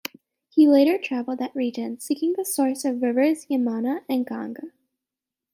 He later travelled the region, seeking the source of the rivers Yamuna and Ganga.